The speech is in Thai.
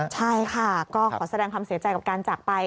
ใช่ค่ะก็ขอแสดงความเสียใจกับการจากไป